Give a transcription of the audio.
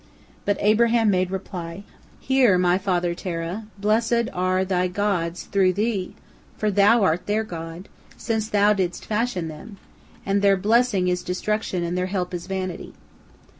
But Abraham made reply: "Hear, my father Terah, blessed are thy gods through thee, for thou art their god, since thou didst fashion them, and their blessing is destruction and their help is vanity.